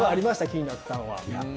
気になったのは。